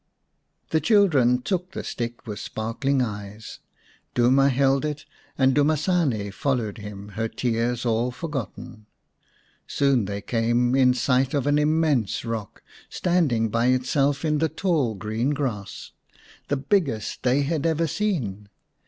The children took the stick with sparkling eyes. Duma held it and Dumasane followed 123 The Fairy Bird x him, her tears all forgotten. Soon they came in sight of an immense rock standing by itself in the tall green grass, the biggest they had ever seen.